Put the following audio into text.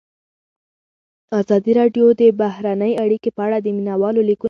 ازادي راډیو د بهرنۍ اړیکې په اړه د مینه والو لیکونه لوستي.